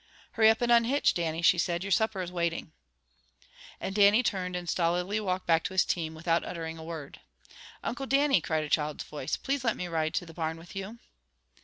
"Hurry up, and unhitch, Dannie," she said. "Your supper is waiting." And Dannie turned and stolidly walked back to his team, without uttering a word. "Uncle Dannie!" cried a child's voice. "Please let me ride to the barn with you!"